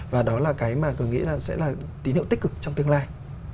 và đó là cái mà tôi nghĩ là sẽ là tín hiệu tích cực trong tương lai